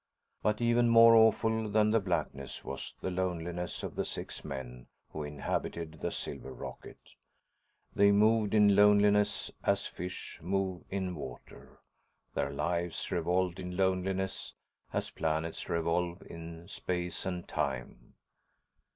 But even more awful than the blackness was the loneliness of the six men who inhabited the silver rocket. They moved in loneliness as fish move in water. Their lives revolved in loneliness as planets revolve in space and time.